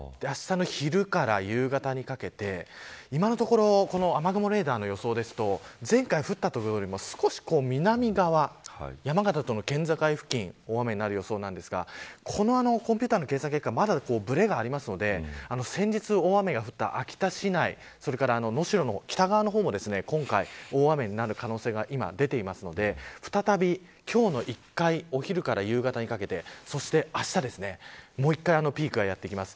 あしたの昼から夕方にかけて今のところ雨雲レーダーの予想ですと前回降った所よりも少し南側山形との県境付近が大雨になる予想なんですがこのコンピューターの計算結果はまだ、ぶれがあるので先日大雨が降った秋田市内それから能代の北側の方も今回、大雨になる可能性が今、出ているので再び今日のお昼から夕方にかけてそしてあしたもう一回ピークがやってきます。